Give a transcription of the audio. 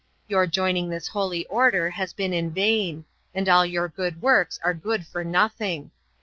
Your joining this holy order has been in vain, and all your good works are good for nothing."